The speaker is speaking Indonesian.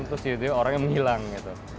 terus tiba tiba orangnya menghilang gitu